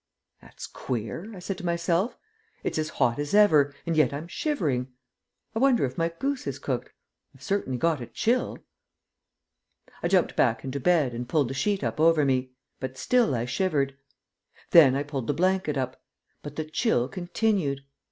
"That's queer," I said to myself. "It's as hot as ever, and yet I'm shivering. I wonder if my goose is cooked? I've certainly got a chill." I jumped back into bed and pulled the sheet up over me; but still I shivered. Then I pulled the blanket up, but the chill continued.